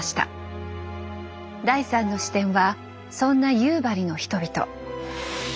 第３の視点はそんな夕張の人々。